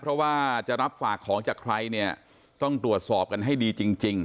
เพราะว่าจะรับฝากของจากใครเนี่ยต้องตรวจสอบกันให้ดีจริง